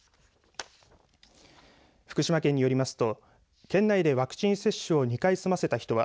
福島県によりますと県内でワクチン接種を２回済ませた人は